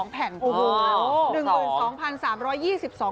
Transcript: ๑๒๓๒๒แผ่นโอ้โฮ